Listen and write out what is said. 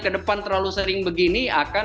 kedepan terlalu sering begini akan